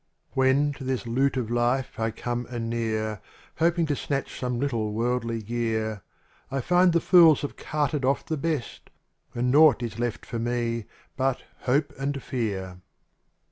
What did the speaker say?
{HEN to this loot of life I come anear. Hoping to snatch some little worldly gear, I find the fools have carted off the best. And nought is left for me, but — hope and fear.